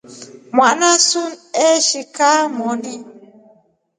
Mwana su eshi kaa mwoni.